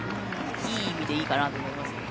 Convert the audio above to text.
いい意味でいいかなと思いますけどね。